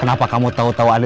apa yang kamu kasih rasa ini